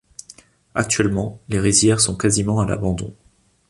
Actuellement, les rizières sont quasiment à l'abandon.